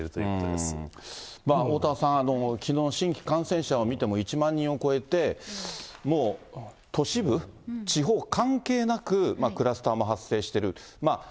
うーん、おおたわさん、きのうの新規感染者を見ても１万人を超えて、もう都市部、地方、関係なくクラスターも発生してる。